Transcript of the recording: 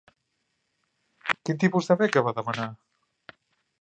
Quin tipus de beca va demanar?